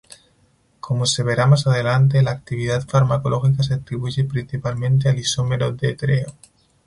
Como se verá más adelante, la actividad farmacológica se atribuye principalmente al isómero d-treo.